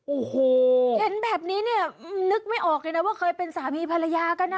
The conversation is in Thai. โอ้โหเห็นแบบนี้เนี่ยนึกไม่ออกเลยนะว่าเคยเป็นสามีภรรยากันนะ